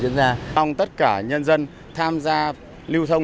diễn ra lễ miết tình diễu hành diệu binh